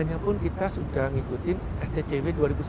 apk nya pun kita sudah ngikutin stcw dua ribu sepuluh